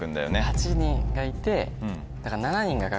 ８人がいて。